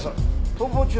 逃亡中の。